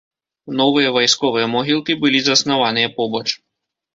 Новыя вайсковыя могілкі былі заснаваныя побач.